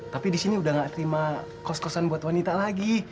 tapi di sini udah gak terima kos kosan buat wanita lagi